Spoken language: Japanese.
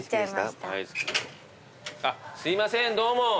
あっすいませんどうも。